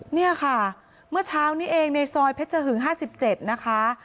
เนี่ยค่ะเมื่อเช้านี้เองในซอยเพชรหึง๕๗นะคะ